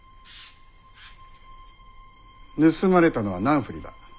盗まれたのは何振だ？